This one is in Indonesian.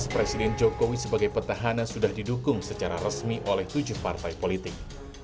presiden jokowi sebagai petahana sudah didukung secara resmi oleh tujuh partai politik